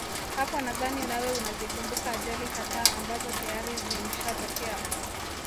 Hapo nadhani nawe unazikumbuka ajali kadhaa ambazo tayari zimshatokea